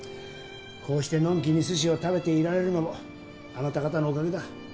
こうしてのんきにすしを食べていられるのもあなた方のおかげだ。